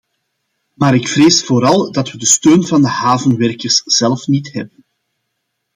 Maar ik vrees vooral dat we de steun van de havenwerkers zelf niet hebben.